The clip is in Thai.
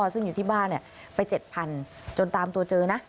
ซึ่งอยู่ที่บ้านไป๗๐๐จนตามตัวเจอนะ